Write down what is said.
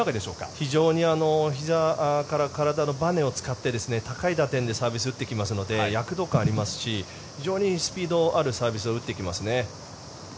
非常にひざから体のばねを使って高い打点でサービスを打ってきますので躍動感ありますし非常にスピードあるサービスを打ってきますね。